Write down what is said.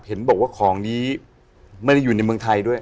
เห็นบอกว่าของนี้ไม่ได้อยู่ในเมืองไทยด้วย